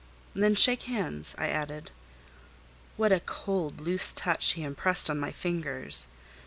"Then shake hands," I added. What a cold, loose touch, he impressed on my fingers!